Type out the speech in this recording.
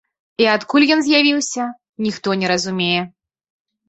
І адкуль ён з'явіўся, ніхто не разумее.